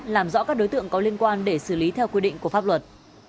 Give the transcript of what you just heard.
làm rõ các đối tượng có liên quan để xử lý theo quy định của pháp luật